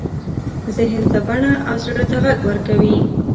ذهن ته بڼه او زړه ته غږ ورکوي.